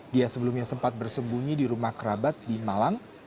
dia sebelumnya sempat bersembunyi di rumah kerabat di malang